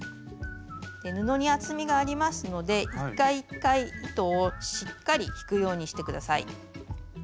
布に厚みがありますので一回一回糸をしっかり引くようにして下さい。